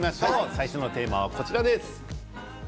最初のテーマはこちらです。